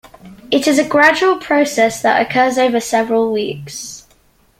It is a gradual process that occurs over several weeks.